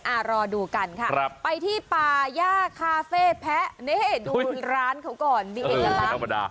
อ่ารอดูกันค่ะไปที่ป่าย่าคาเฟ่แพะเนี่ยดูร้านเขาก่อนเนี่ยเองล้ำ